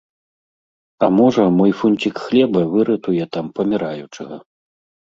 А можа, мой фунцiк хлеба выратуе там памiраючага...